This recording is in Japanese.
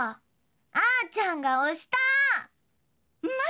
あーちゃんが押したー。